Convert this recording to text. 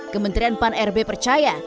kementerian pan rb percaya